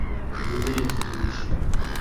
Йүгерек, имеш.